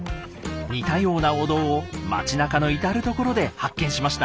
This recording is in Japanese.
似たようなお堂を街なかの至る所で発見しました。